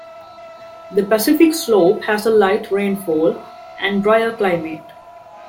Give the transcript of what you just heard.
The Pacific slope has a light rainfall and dryer climate.